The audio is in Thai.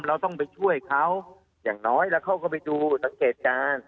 เราต้องไปช่วยเขาอย่างน้อยแล้วเขาก็ไปดูสังเกตการณ์